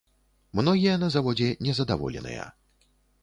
Многія на заводзе незадаволеныя.